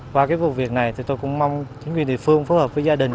qua cái vụ việc này thì tôi cũng mong chính quyền địa phương phối hợp với gia đình